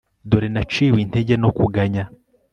dore naciwe intege no kuganya